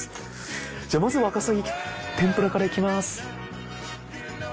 じゃあまずワカサギ天ぷらからいきます。